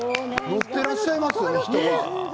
乗っていらっしゃいますね人が。